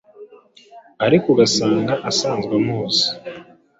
ariko agasanga asanzwe amuzi: